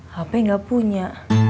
hp gak punya